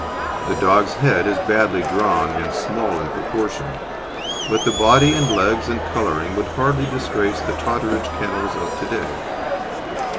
The dog's head is badly drawn and small in proportion; but the body and legs and colouring would hardly disgrace the Totteridge Kennels of to day.